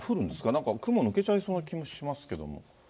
なんか、雲抜けちゃいそうな気もしますけど。